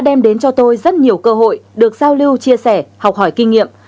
đem đến cho tôi rất nhiều cơ hội được giao lưu chia sẻ học hỏi kinh nghiệm